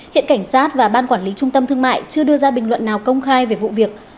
hiện cảnh sát và ban quản lý trung tâm thương mại chưa đưa ra bình luận nào công khai về vụ việc